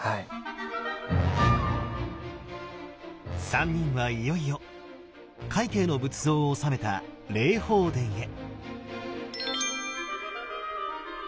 三人はいよいよ快慶の仏像をおさめた霊宝殿へ。